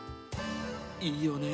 いいよね